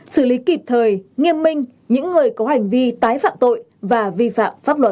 xử lý kịp thời nghiêm minh những người có hành vi tái phạm tội và vi phạm pháp luật